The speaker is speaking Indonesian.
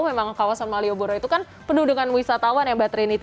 memang kawasan malioboro itu kan penuh dengan wisatawan ya mbak trinity